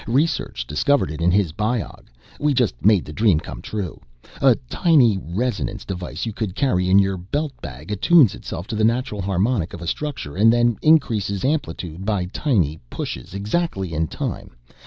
Research discovered it in his biog we just made the dream come true. A tiny resonance device you could carry in your belt bag attunes itself to the natural harmonic of a structure and then increases amplitude by tiny pushes exactly in time.